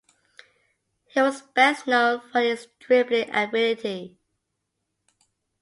He was best known for his dribbling ability.